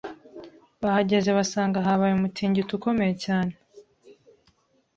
Bahageze basanga habaye umutingito ukomeye kuko